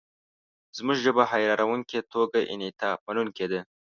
زموږ ژبه حیرانوونکې توګه انعطافمنونکې ده.